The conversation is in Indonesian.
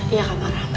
iya kak amarah